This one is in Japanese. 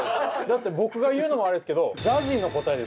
だって僕が言うのもあれですけど。